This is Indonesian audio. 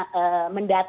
aku sudah sudah mengikuti